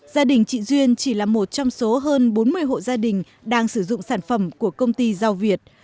gia đình chị duyên chỉ là một trong số hơn bốn mươi hộ gia đình đang sử dụng sản phẩm của công ty giao việt